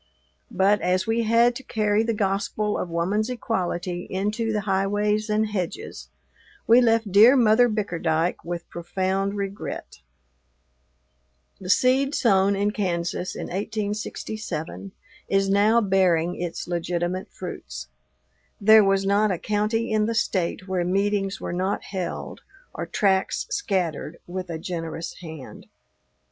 But, as we had to carry the gospel of woman's equality into the highways and hedges, we left dear Mother Bickerdyke with profound regret. The seed sown in Kansas in 1867 is now bearing its legitimate fruits. There was not a county in the State where meetings were not held or tracts scattered with a generous hand.